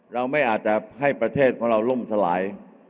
เราไม่อาจจะให้ประเทศของเราล่มสลาย